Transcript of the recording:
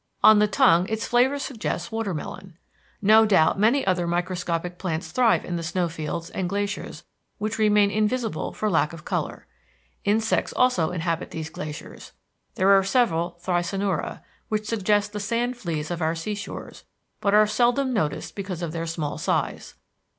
On the tongue its flavor suggests watermelon. No doubt many other microscopic plants thrive in the snow fields and glaciers which remain invisible for lack of color. Insects also inhabit these glaciers. There are several Thysanura, which suggest the sand fleas of our seashores, but are seldom noticed because of their small size.